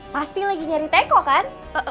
pasti lagi nyari teko kan